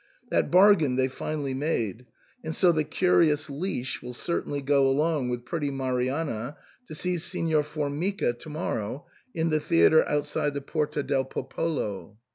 That bargain they finally made ; and so the curious leash will cer tainly go along with pretty Marianna to see Signor Formica to morrow, in the theatre outside the Porta del Popolo."